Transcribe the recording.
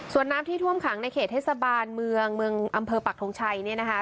ส่วนน้ำที่ท่วมขังในเขตเทศบาลเมืองเมืองอำเภอปักทงชัยเนี่ยนะคะ